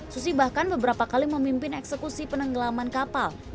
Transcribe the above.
susi bahkan beberapa kali memimpin eksekusi penenggelaman kapal